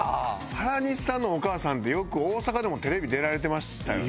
原西さんのお母さんってよく大阪でもテレビ出られてましたよね。